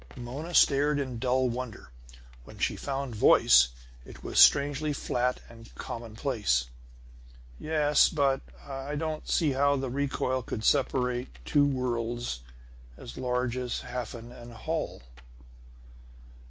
Mona stared in dull wonder. When she found voice it was strangely flat and commonplace. "Yes, but I don't see how the recoil could separate two worlds as large as Hafen and Holl!"